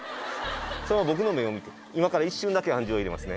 そのまま僕の目を見て今から一瞬だけ暗示を入れますね。